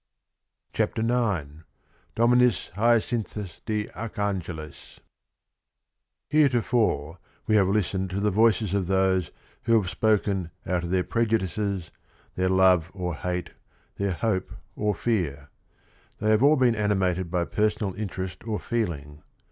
CHAPTER IX DOMINTTS HTACINTHUS DE ARCHANGELIS Heretofore we have listened to the voices of tho se who have spoken out ot their prejudices, th eir love or hate, their ho p*» nr fpar They_have all been animate d by personal interest or feeling.